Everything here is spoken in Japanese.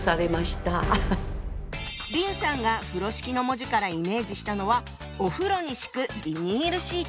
林さんが風呂敷の文字からイメージしたのはお風呂に敷くビニールシート。